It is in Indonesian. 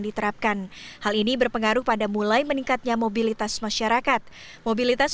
diterapkan hal ini berpengaruh pada mulai meningkatnya mobilitas masyarakat mobilitas